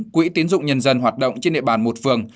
quỹ tiến dụng nhân dân hoạt động trên địa bàn một phường